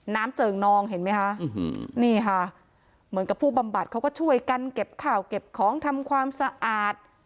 เจิ่งนองเห็นไหมคะนี่ค่ะเหมือนกับผู้บำบัดเขาก็ช่วยกันเก็บข่าวเก็บของทำความสะอาด